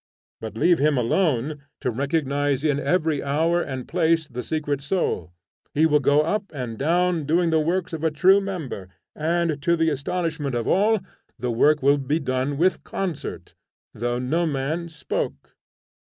But leave him alone, to recognize in every hour and place the secret soul; he will go up and down doing the works of a true member, and, to the astonishment of all, the work will be done with concert, though no man spoke.